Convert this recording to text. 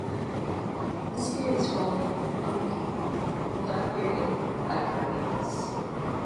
This period is called "amhukki", the dark period by Koreans.